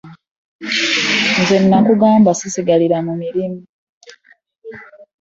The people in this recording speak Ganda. Nze nakugamba ssisaagira mu mirimu.